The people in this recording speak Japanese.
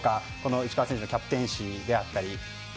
石川選手のキャプテンシーであったり。